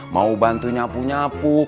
mau bantu nyapu nyapu